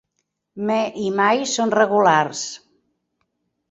"Me" i "my-" són regulars.